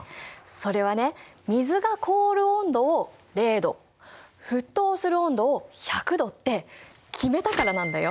それはね水が凍る温度を０℃沸騰する温度を１００℃って決めたからなんだよ。